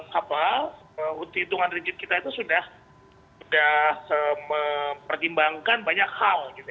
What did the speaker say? hapal hitungan rigid kita itu sudah mempergimbangkan banyak hal gitu ya